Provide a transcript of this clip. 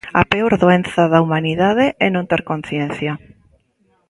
A peor doenza da humanidade é non ter conciencia.